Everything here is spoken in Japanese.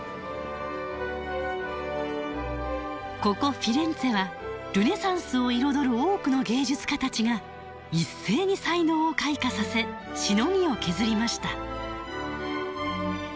ここフィレンツェはルネサンスを彩る多くの芸術家たちが一斉に才能を開花させしのぎを削りました。